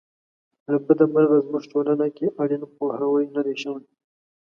له بده مرغه زموږ ټولنه کې اړین پوهاوی نه دی شوی.